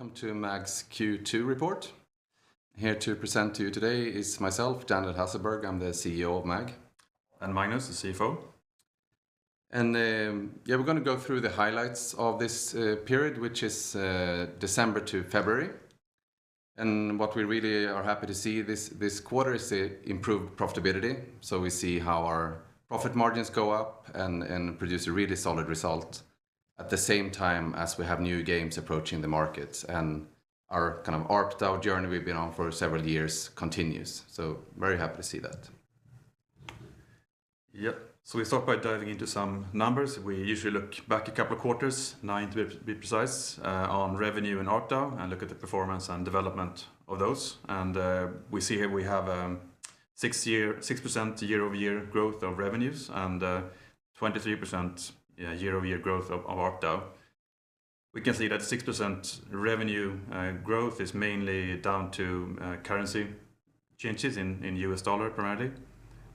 Welcome to MAG's Q2 Report. Here to present to you today is myself, Daniel Hasselberg. I'm the CEO of MAG. Magnus, the CFO. We're gonna go through the highlights of this period, which is December to February. What we really are happy to see this quarter is the improved profitability. We see how our profit margins go up and produce a really solid result at the same time as we have new games approaching the market. Our kind of ARPDAU journey we've been on for several years continues, very happy to see that. We start by diving into some numbers. We usually look back a couple quarters, nine to be precise, on revenue and ARPDAU, and look at the performance and development of those. We see here we have 6% year-over-year growth of revenues and 23% year-over-year growth of ARPDAU. We can see that 6% revenue growth is mainly down to currency changes in U.S. dollar primarily,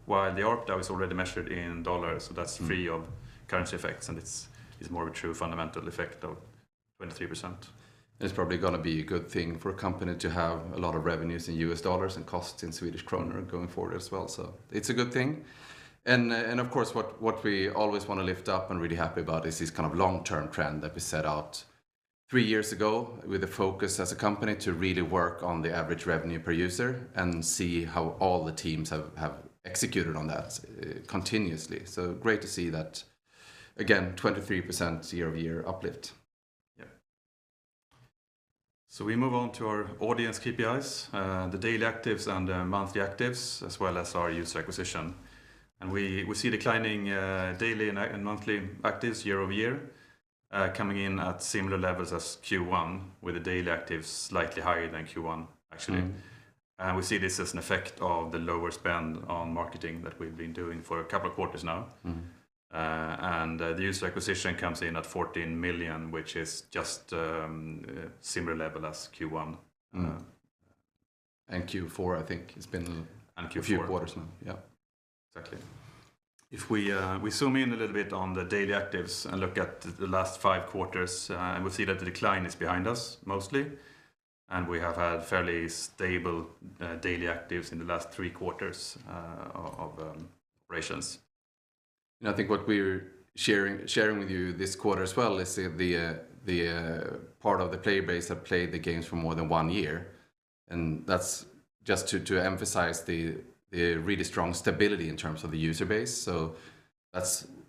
while the ARPDAU is already measured in dollars, so that's free of currency effects, and it's more a true fundamental effect of 23%. It's probably gonna be a good thing for a company to have a lot of revenues in U.S. dollars and costs in Swedish krona going forward as well. It's a good thing. Of course what we always wanna lift up and really happy about is this kind of long-term trend that we set out three years ago with a focus as a company to really work on the average revenue per user and see how all the teams have executed on that continuously. Great to see that, again, 23% year-over-year uplift. Yeah. We move on to our audience KPIs, the daily actives and monthly actives, as well as our user acquisition. We see declining daily and monthly actives year-over-year, coming in at similar levels as Q1, with the daily actives slightly higher than Q1 actually. We see this as an effect of the lower spend on marketing that we've been doing for a couple of quarters now. The user acquisition comes in at 14 million, which is just similar level as Q1. Q4, I think it's been. Q4. A few quarters now. Yeah. Exactly. If we zoom in a little bit on the daily actives and look at the last five quarters, and we see that the decline is behind us mostly, and we have had fairly stable daily actives in the last three quarters of operations. I think what we're sharing with you this quarter as well is the part of the player base that played the games for more than one year. That's just to emphasize the really strong stability in terms of the user base.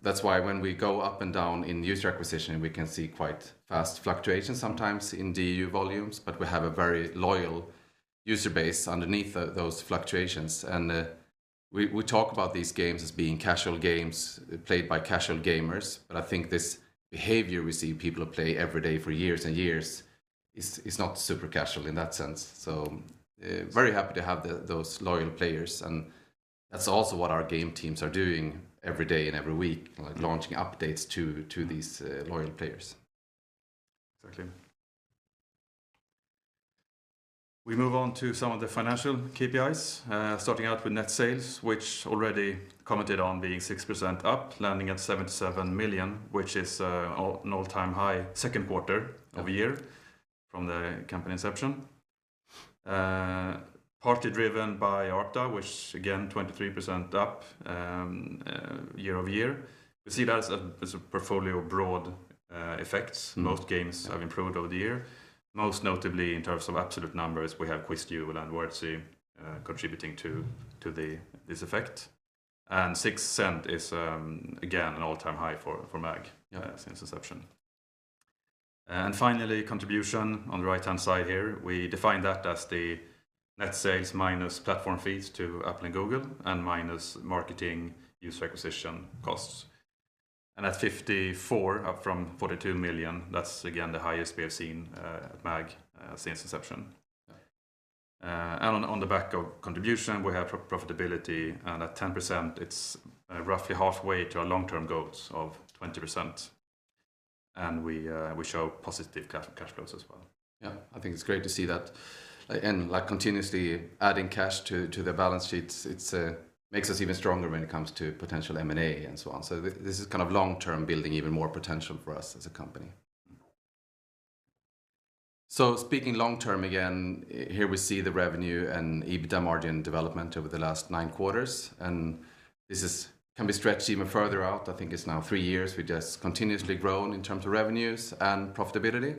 That's why when we go up and down in user acquisition, we can see quite fast fluctuations sometimes in DAU volumes, but we have a very loyal user base underneath those fluctuations. We talk about these games as being casual games played by casual gamers, but I think this behavior we see, people who play every day for years and years is not super casual in that sense. Very happy to have those loyal players. That's also what our game teams are doing every day and every week, like launching updates to these loyal players. Exactly. We move on to some of the financial KPIs, starting out with net sales, which we already commented on being 6% up, landing at 77 million, which is an all-time high second quarter of the year from the company inception. Partly driven by ARPDAU, which again 23% up year-over-year. We see that as a portfolio broad effects. Most games have improved over the year. Most notably in terms of absolute numbers, we have QuizDuel and Wordzee contributing to this effect. Net sales is again an all-time high for MAG since inception. Finally, contribution on the right-hand side here. We define that as the net sales minus platform fees to Apple and Google and minus marketing user acquisition costs. At 54 million up from 42 million, that's again the highest we have seen at MAG since inception on the back of contribution, we have profitability and at 10% it's roughly halfway to our long-term goals of 20%. We show positive cash flows as well. Yeah, I think it's great to see that and like continuously adding cash to the balance sheets. It makes us even stronger when it comes to potential M&A and so on. This is kind of long-term building even more potential for us as a company. Speaking long-term again, here we see the revenue and EBITDA margin development over the last nine quarters, and this can be stretched even further out. I think it's now three years. We've just continuously grown in terms of revenues and profitability.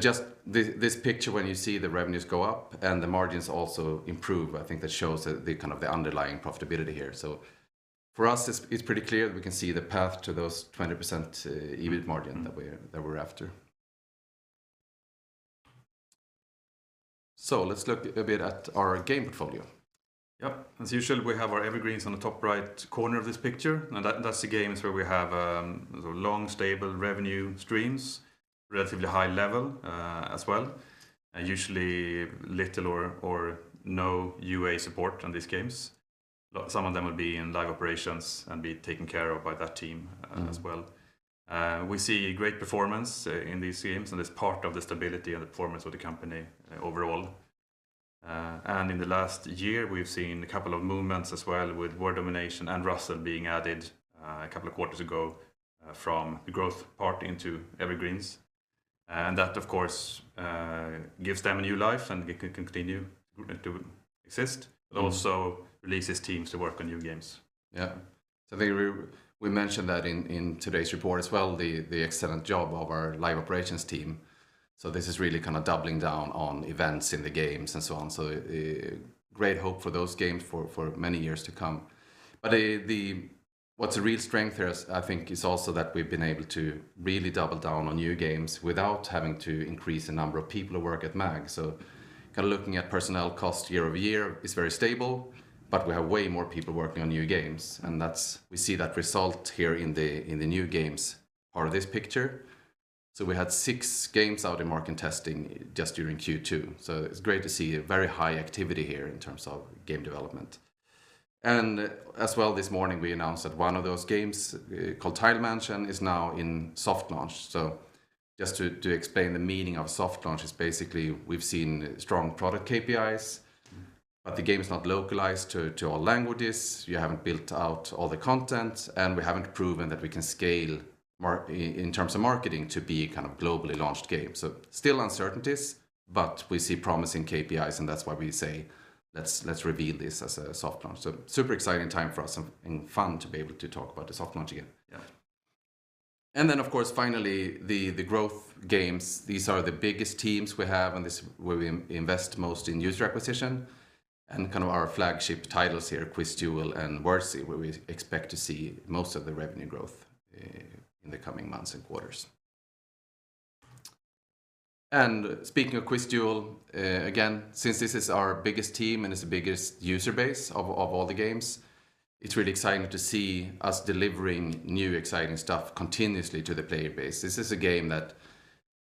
Just this picture when you see the revenues go up and the margins also improve. I think that shows the kind of underlying profitability here. For us, it's pretty clear we can see the path to those 20% EBIT margin that we're after. Let's look a bit at our game portfolio. Yep. As usual, we have our evergreens on the top right corner of this picture, and that's the games where we have long stable revenue streams, relatively high level, as well, and usually little or no UA support on these games. Some of them will be in Live Operations and be taken care of by that team as well. We see great performance in these games, and it's part of the stability and the performance of the company overall. In the last year we've seen a couple of movements as well with Word Domination and Ruzzle being added, a couple of quarters ago, from the growth part into Evergreens. That of course gives them a new life and it can continue to exist, but also releases teams to work on new games. Yeah. I think we mentioned that in today's report as well, the excellent job of our Live Operations team. This is really kind of doubling down on events in the games and so on. Great hope for those games for many years to come. What's a real strength here is I think also that we've been able to really double down on new games without having to increase the number of people who work at MAG. Kinda looking at personnel cost year-over-year is very stable, but we have way more people working on new games, and that we see that result here in the new games part of this picture. We had six games out in market testing just during Q2. It's great to see a very high activity here in terms of game development. As well, this morning we announced that one of those games, called Tile Mansion, is now in soft launch. Just to explain the meaning of soft launch is basically we've seen strong product KPIs. The game is not localized to all languages. You haven't built out all the content, and we haven't proven that we can scale in terms of marketing to be a kind of globally launched game. Still uncertainties, but we see promising KPIs and that's why we say, let's reveal this as a soft launch. Super exciting time for us and fun to be able to talk about the soft launch again. Yeah. Then of course finally the growth games, these are the biggest teams we have, and this is where we invest most in user acquisition and kind of our flagship titles here, QuizDuel and Wordzee, where we expect to see most of the revenue growth in the coming months and quarters. Speaking of QuizDuel, again, since this is our biggest team and it's the biggest user base of all the games, it's really exciting to see us delivering new exciting stuff continuously to the player base. This is a game that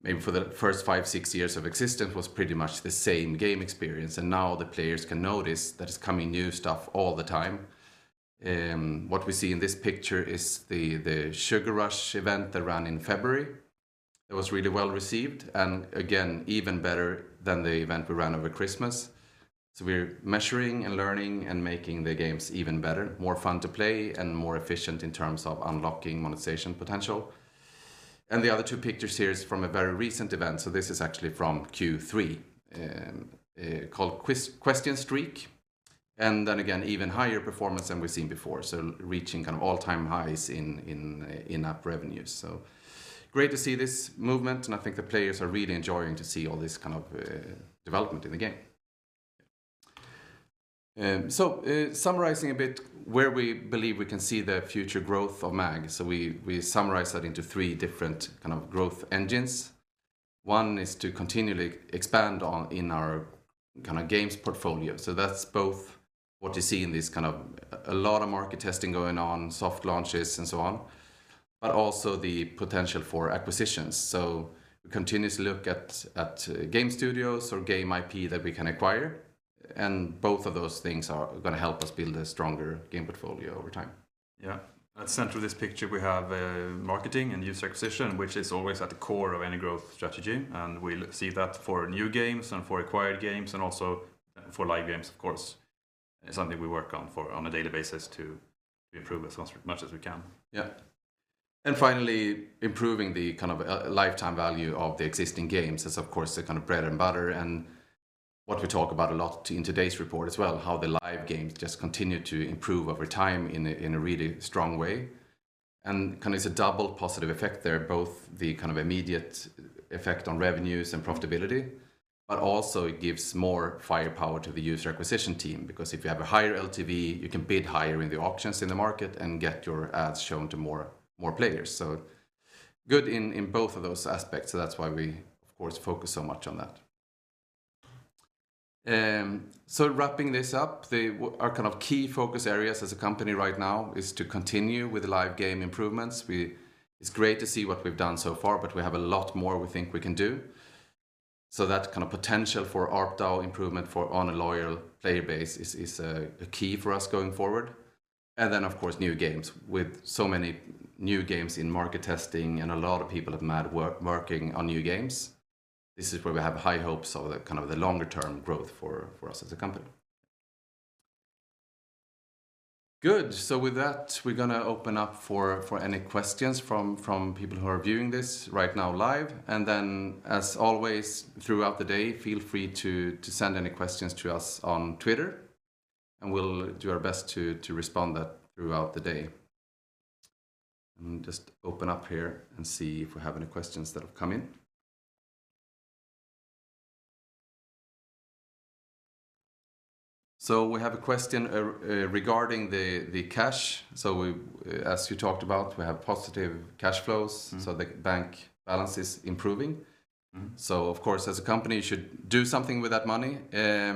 maybe for the first five, six years of existence was pretty much the same game experience, and now the players can notice that it's coming new stuff all the time. What we see in this picture is the Sugar Rush event that ran in February. It was really well received, and again, even better than the event we ran over Christmas. We're measuring and learning and making the games even better, more fun to play, and more efficient in terms of unlocking monetization potential. The other two pictures here are from a very recent event, this is actually from Q3, called Question Streak. Again, even higher performance than we've seen before. Reaching kind of all-time highs in in-app revenues. Great to see this movement, and I think the players are really enjoying to see all this kind of development in the game. Summarizing a bit where we believe we can see the future growth of MAG. We summarize that into three different kind of growth engines. One is to continually expand on in our kinda games portfolio. That's both what you see in this kind of a lot of market testing going on, soft launches and so on, but also the potential for acquisitions. We continuously look at game studios or game IP that we can acquire, and both of those things are gonna help us build a stronger game portfolio over time. Yeah. At the center of this picture, we have marketing and user acquisition, which is always at the core of any growth strategy, and we'll see that for new games and for acquired games and also for live games, of course. It's something we work on a daily basis to improve as much as we can. Yeah. Finally, improving the kind of lifetime value of the existing games is of course the kind of bread and butter, and what we talk about a lot in today's report as well, how the live games just continue to improve over time in a really strong way. Kinda it's a double positive effect there, both the kind of immediate effect on revenues and profitability, but also it gives more firepower to the user acquisition team, because if you have a higher LTV, you can bid higher in the auctions in the market and get your ads shown to more players. Good in both of those aspects, that's why we of course focus so much on that. Wrapping this up, our kind of key focus areas as a company right now is to continue with the live game improvements. It's great to see what we've done so far, but we have a lot more we think we can do. That kind of potential for ARPDAU improvement on a loyal player base is a key for us going forward. Then of course, new games. With so many new games in market testing and a lot of people at MAG working on new games, this is where we have high hopes of the kind of the longer term growth for us as a company. Good. With that, we're gonna open up for any questions from people who are viewing this right now live. Then as always, throughout the day, feel free to send any questions to us on Twitter, and we'll do our best to respond that throughout the day. I'll just open up here and see if we have any questions that have come in. We have a question regarding the cash. As you talked about, we have positive cash flows. The bank balance is improving. Of course, as a company you should do something with that money. I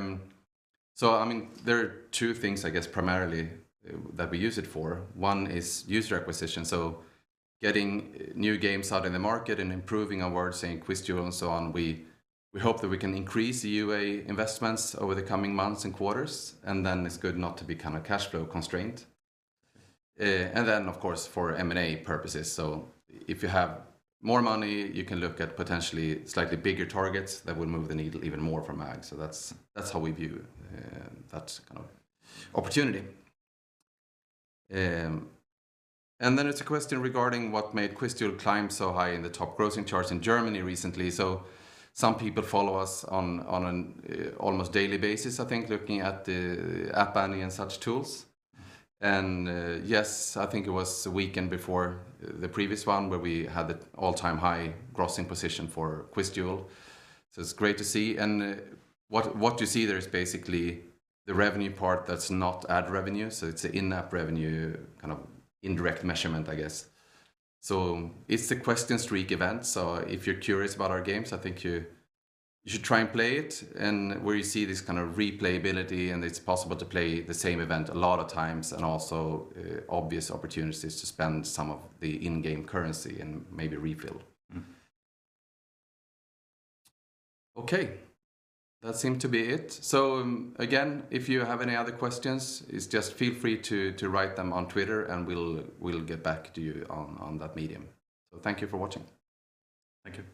mean, there are two things I guess primarily that we use it for. One is user acquisition, so getting new games out in the market and improving our Wordzee and QuizDuel and so on, we hope that we can increase the UA investments over the coming months and quarters, and then it's good not to be kind of cash flow constrained. For M&A purposes. If you have more money, you can look at potentially slightly bigger targets that will move the needle even more for MAG. That's how we view that kind of opportunity. It's a question regarding what made QuizDuel climb so high in the top grossing charts in Germany recently. Some people follow us on an almost daily basis, I think looking at the App Annie and such tools. Yes, I think it was the weekend before the previous one where we had the all-time high grossing position for QuizDuel. It's great to see. What you see there is basically the revenue part that's not ad revenue, so it's in-app revenue, kind of indirect measurement I guess. If you're curious about our games, I think you should try and play it. Where you see this kind of replayability and it's possible to play the same event a lot of times and also obvious opportunities to spend some of the in-game currency and maybe refill. Okay. That seemed to be it. Again, if you have any other questions, it's just feel free to write them on Twitter and we'll get back to you on that medium. Thank you for watching. Thank you.